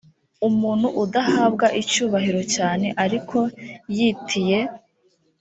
umuntu udahabwa icyubahiro cyane ariko yi tiye